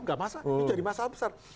enggak masalah jadi masalah besar